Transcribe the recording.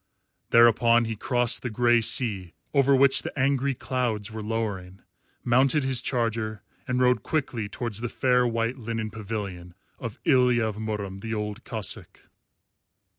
Thereupon he crossed the grey sea over which the angry clouds were lowering, mounted his charger, and rode quickly towards the fair white linen pavilion of Ilya of Murom the Old Cossáck.